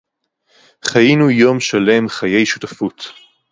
חַיֵּינוּ יוֹם שָׁלֵם חַיֵּי שֻׁותָּפוּת.